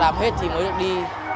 tết thì mới được đi